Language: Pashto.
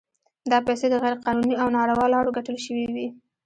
دا پیسې د غیر قانوني او ناروا لارو ګټل شوي وي.